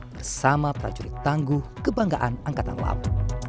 bersama prajurit tangguh kebanggaan angkatan laut